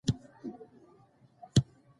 په کتابخانو کې باید ډول ډول کتابونه وي.